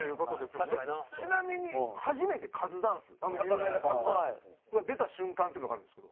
ちなみに初めてカズダンスあの有名なカズダンスが出た瞬間っていうのがあるんですけど。